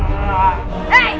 kau sudah pernah menemukan